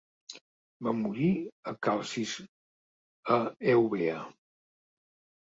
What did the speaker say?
Va morir a Calcis a Eubea.